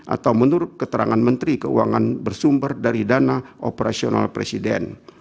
atau menurut keterangan menteri keuangan bersumber dari dana operasional presiden